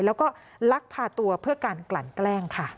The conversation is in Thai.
แล้วก็ลักพาตัวเพื่อการกลั่นแกล้งค่ะ